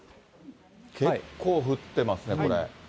結構降ってますね、これ。